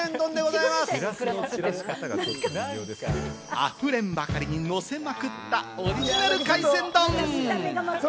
あふれんばかりにのせまくったオリジナル海鮮丼。